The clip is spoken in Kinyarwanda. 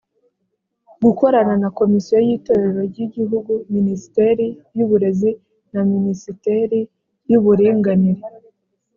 gukorana na komisiyo y itorero ry igihugu ministeri y uburezi na minisiteri y uburinganire